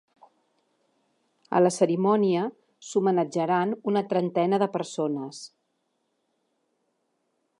A la cerimònia, s’homenatjaran una trentena de persones.